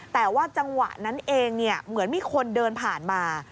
แต่ว่าจังหวะนั้นเองเหมือนมีคนเดินผ่านมา